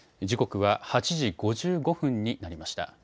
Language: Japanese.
時刻は８時５５分になりました。